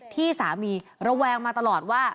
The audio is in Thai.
ที่สามีระแวงมาตลอดว่า